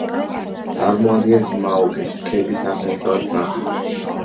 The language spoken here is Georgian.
წარმოადგენს მაოკეს ქედის აღმოსავლეთ ნაწილს.